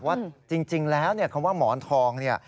ว่าจริงแล้วคำว่าหมอนทอง